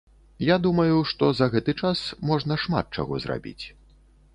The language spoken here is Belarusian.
Я думаю, што за гэты час можна шмат чаго зрабіць.